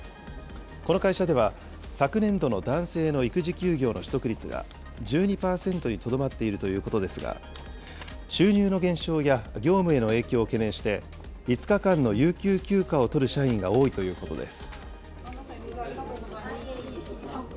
この会社では、昨年度の男性の育児休業の取得率が１２％にとどまっているということですが、収入の減少や業務への影響を懸念して、５日間の有給休暇を取る社員が多いということです。